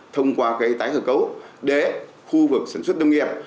thông qua cái tài cơ cấu để khu vực sản xuất nông nghiệp